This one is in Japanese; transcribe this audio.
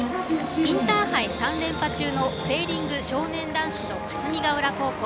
インターハイ３連覇中のセーリング少年男子の霞ヶ浦高校。